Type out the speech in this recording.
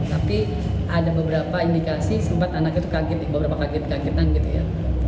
tapi ada beberapa indikasi sempat anak itu beberapa kaget kagetan gitu ya